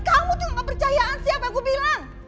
kamu tuh gak percayaan sih apa yang aku bilang